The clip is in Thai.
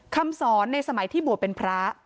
คำสอนในสมัยที่บวชเป็นพระ